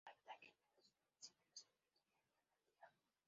Para evitar que pierda sus principios debemos tomarlo en el día.